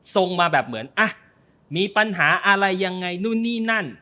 ส่งมาแบบเหมือนอ่ะมีปัญหาอะไรยังไงนู่นนี่นั่น